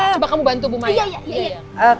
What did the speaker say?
coba kamu bantu bu mayang